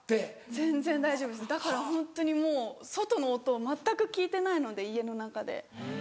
全然大丈夫ですだからホントにもう外の音を全く聞いてないので家の中で。